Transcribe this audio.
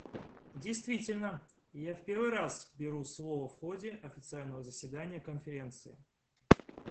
Действительно, я в первый раз беру слово в ходе официального заседания Конференции.